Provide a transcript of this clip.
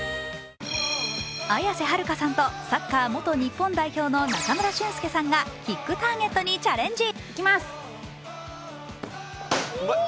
綾瀬はるかさんとサッカー元日本代表の中村俊輔さんがキックターゲットにチャレンジ。